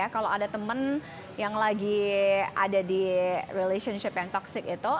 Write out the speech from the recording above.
kalau ada temen yang lagi ada di relationship yang toxic itu